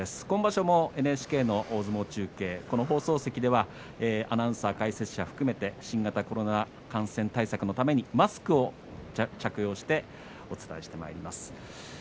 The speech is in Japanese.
今場所もＮＨＫの大相撲中継放送席ではアナウンサー、解説者含めて新型コロナウイルス感染対策のためにマスクを着用してお伝えしてまいります。